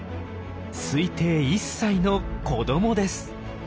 推定１歳の子どもです。